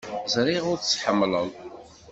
Ẓriɣ ur tt-tḥemmleḍ.